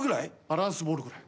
バランスボールぐらい。